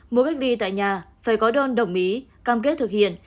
mua cách ly tại nhà phải có đơn đồng ý cam kết thực hiện